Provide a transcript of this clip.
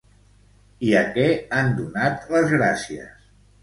I a què han donat les gràcies?